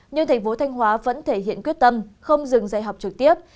nhưng tp thanh hóa vẫn thể hiện quyết tâm không dừng dạy học trực tiếp